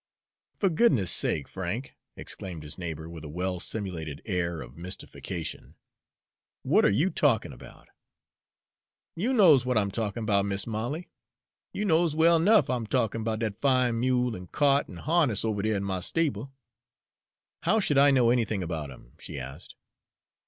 "Fer goodness' sake, Frank!" exclaimed his neighbor, with a well simulated air of mystification, "what are you talkin' about?" "You knows w'at I'm talkin' about, Mis' Molly; you knows well ernuff I'm talkin' about dat fine mule an' kyart an' harness over dere in my stable." "How should I know anything about 'em?" she asked.